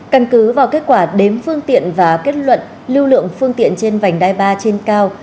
căn cứ vào kết quả đếm phương tiện và kết luận lưu lượng phương tiện trên vành đai ba trên cao